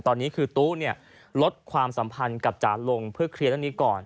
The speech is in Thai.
ตอนนี้คือตู้ลดความสัมพันธ์กับจ๋าลงเพื่อเคลียร์เรื่องนี้ก่อน